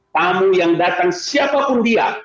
tamu yang datang siapapun dia